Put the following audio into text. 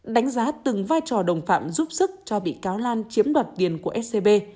đã từng vai trò đồng phạm giúp sức cho bị cáo lan chiếm đoạt tiền của scb